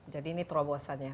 jadi ini terobosannya